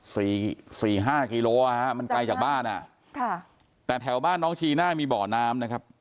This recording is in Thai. สี่สี่ห้ากิโลอ่ะฮะมันไกลจากบ้านอ่ะค่ะแต่แถวบ้านน้องจีน่ามีบ่อน้ำนะครับ